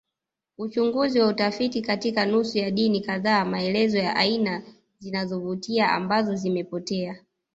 Uchunguzi wa utafiti katika nusu ya dini kadhaa maelezo ya aina zinazovutia ambazo zimepotea